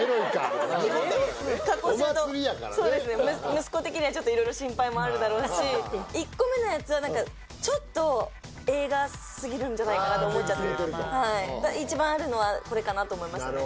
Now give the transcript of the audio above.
息子的には色々心配もあるだろうし１個目のやつはちょっと映画すぎるんじゃないかなと思っちゃって一番あるのはこれかなと思いましたね